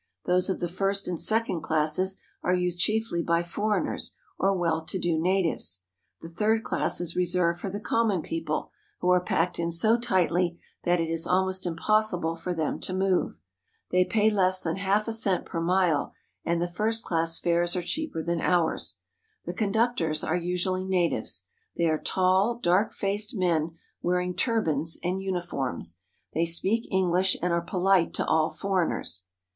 Those of the first and second classes are used chiefly by for eigners or well to do natives. The third class is reserved for the common people, who are packed in so tightly that it is almost impossible for them to move. They pay less 240 THE WILD ANIMALS OF INDIA than half a cent per mile, and the first class fares are cheaper than ours. The conductors are usually natives. They are tall, dark faced men wearing turbans and uni forms. They speak English and are polite to all foreigners.